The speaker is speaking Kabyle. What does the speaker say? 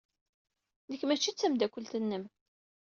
Nekk maci d tameddakelt-nnem.